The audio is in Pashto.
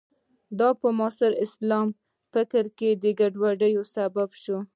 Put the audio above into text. دا په معاصر اسلامي فکر کې ګډوډۍ سبب شو.